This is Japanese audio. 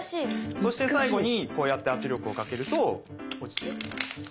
そして最後にこうやって圧力をかけると落ちていきます。